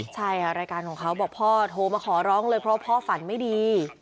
ใช่ค่ะรายการของเขาบอกพ่อโทรมาขอร้องเลยเพราะพ่อฝันไม่ดี